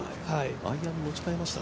アイアンに持ち替えましたね。